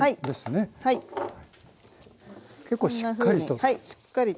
結構しっかりと。